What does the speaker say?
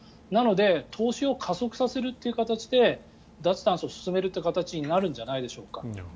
なので投資を加速させるという形で脱炭素を進めるという形になるんじゃないでしょうか。